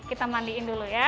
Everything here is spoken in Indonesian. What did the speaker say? kita mandiin dulu ya